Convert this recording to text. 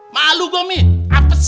malu gue mieh apes